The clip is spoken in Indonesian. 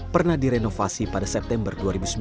pernah direnovasi pada september dua ribu sembilan belas